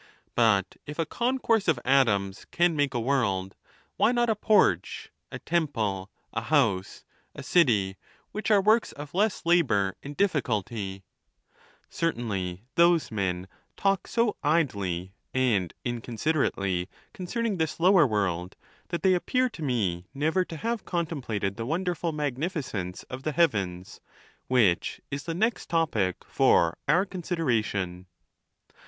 But if a concourse of atoms can make a world, why not a porch, a temple, a house, a city, which are works of less labor and difficulty ? Certainly those men talk so idly and inconsiderately concerning this lower world that they appear to me never to have contemplated the wonderful magnificence of the heavens ; which is the next topic for our consideration.